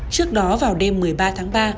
trước đó vào đêm một mươi ba tháng ba